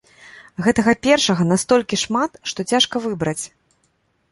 Гэтага першага настолькі шмат, што цяжка выбраць.